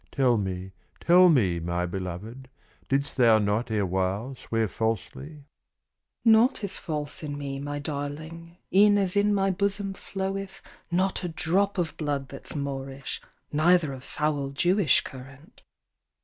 "Tell me, tell me, my belovèd, Didst thou not erewhile swear falsely?" "Naught is false in me, my darling, E'en as in my bosom floweth Not a drop of blood that's Moorish, Neither of foul Jewish current."